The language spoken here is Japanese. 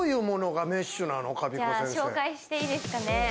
紹介していいですかね。